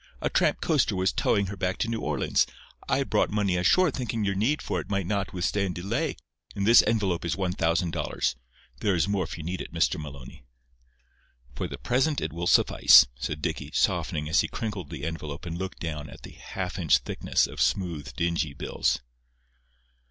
A tramp coaster was towing her back to New Orleans. I brought money ashore thinking your need for it might not withstand delay. In this envelope is one thousand dollars. There is more if you need it, Mr. Maloney." "For the present it will suffice," said Dicky, softening as he crinkled the envelope and looked down at the half inch thickness of smooth, dingy bills.